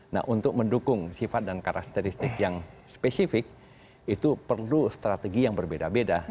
nah untuk mendukung sifat dan karakteristik yang spesifik itu perlu strategi yang berbeda beda